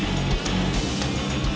alek udah cukup